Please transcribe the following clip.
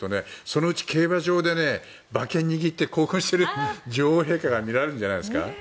そのうち、競馬場で馬券握って興奮している女王陛下が見られるんじゃないですか。